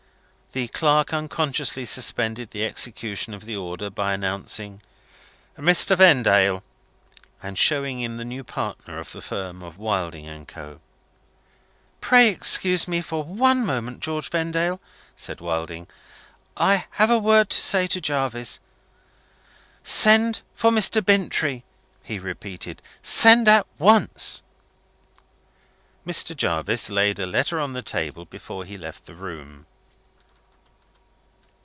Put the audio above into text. The clerk unconsciously suspended the execution of the order, by announcing "Mr. Vendale," and showing in the new partner in the firm of Wilding and Co. "Pray excuse me for one moment, George Vendale," said Wilding. "I have a word to say to Jarvis. Send for Mr. Bintrey," he repeated "send at once." Mr. Jarvis laid a letter on the table before he left the room.